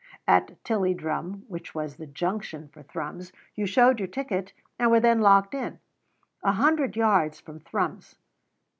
At Tilliedrum, which was the junction for Thrums, you showed your ticket and were then locked in. A hundred yards from Thrums.